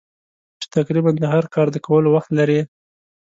چې تقریباً د هر کار د کولو وخت لرې.